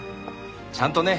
ちゃんとね